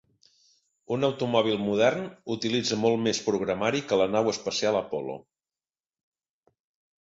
Un automòbil modern utilitza molt més "programari" que la nau espacial Apollo.